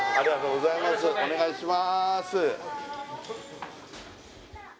お願いします